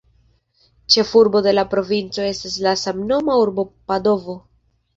Ĉefurbo de la provinco estas la samnoma urbo Padovo.